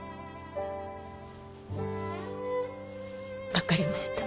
分かりました。